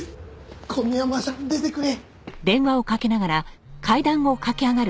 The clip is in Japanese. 小宮山さん出てくれ！